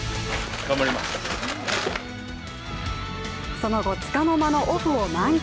その後、つかの間のオフを満喫。